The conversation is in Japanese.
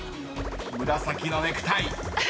［紫のネクタイ］